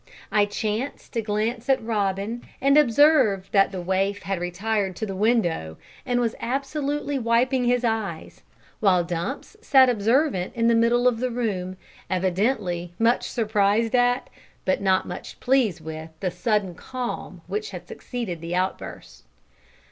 I chanced to glance at Robin, and observed that that waif had retired to the window, and was absolutely wiping his eyes, while Dumps sat observant in the middle of the room, evidently much surprised at, but not much pleased with, the sudden calm which had succeeded the outburst.